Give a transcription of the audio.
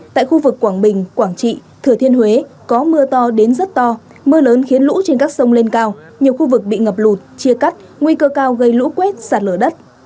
tại khu vực quảng bình quảng trị thừa thiên huế có mưa to đến rất to mưa lớn khiến lũ trên các sông lên cao nhiều khu vực bị ngập lụt chia cắt nguy cơ cao gây lũ quét sạt lở đất